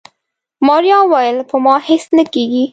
ماريا وويل په ما هيڅ نه کيږي.